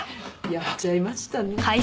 やっちゃいましたね。